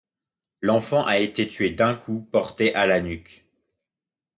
L'enfant a été tué d'un coup porté à la nuque.